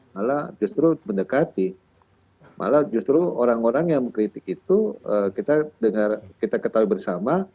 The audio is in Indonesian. malah justru mendekati malah justru orang orang yang mengkritik itu kita dengar kita ketahui bersama